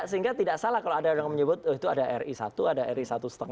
sehingga tidak salah kalau ada yang menyebut itu ada ri satu ada ri satu lima